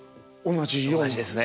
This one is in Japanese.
同じですね。